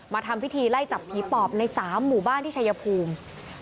ทำพิธีไล่จับผีปอบใน๓หมู่บ้านที่ชายภูมิ